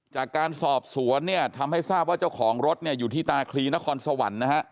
จากการสอบสวนทำให้ทราบว่าเจ้าของรถอยู่ที่ตาคลีนครสวรรค์